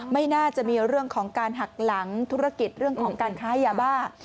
ไม่น่าจะมีเรื่องของการหักหลังธุรกิจเรื่องของการค้ายาบ้า